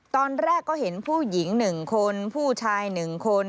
ตอนแรกก็เห็นผู้หญิงหนึ่งคนผู้ชายหนึ่งคน